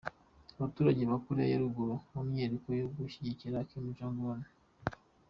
Abaturage ba Koreya ya ruguru mu myiyereko yo gushyigikira Kim Jong Un.